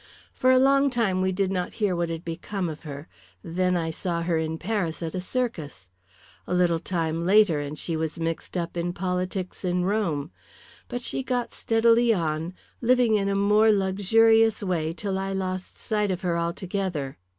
For a long time we did not hear what had become of her. Then I saw her in Paris at a circus. A little time later and she was mixed up in politics in Rome. But she got steadily on, living in a more luxurious way till I lost sight of her altogether.